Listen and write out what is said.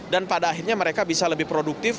dan pada akhirnya mereka bisa lebih produktif